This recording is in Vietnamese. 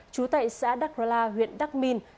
trú tại xã đắc rơ la huyện đắc minh